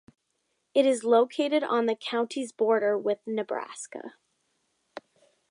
It is located on the county's border with Nebraska.